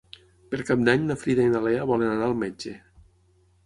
Per Cap d'Any na Frida i na Lea volen anar al metge.